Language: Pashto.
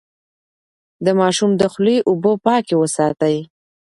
د ماشوم د خولې اوبه پاکې وساتئ.